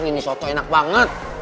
ini soto enak banget